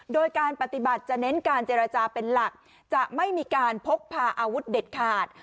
โดยการปฏิบัติจะเน้นการเจรจาเป็นหลักจะไม่มีการพกพาอาวุธเด็ดขาด